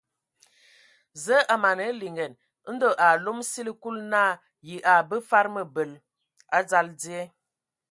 Zǝə a mana hm liŋan. Ndo a alom sili Kulu naa yǝ a mbǝ fad abel a dzal die.